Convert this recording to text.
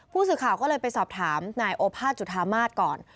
ผู้สื่อข่าวก็เลยไปสอบถามนายโอภาษจุธามาศก่อน